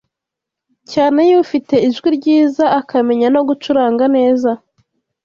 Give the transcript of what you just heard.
cyane y’ufite ijwi ryiza akamenya no gucuranga neza